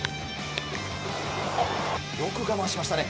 よく我慢しましたね。